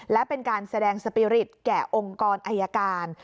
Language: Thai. และเป็นการแสดงสปีริตแก่องค์กรอายการ